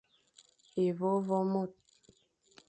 Évôvô é môr.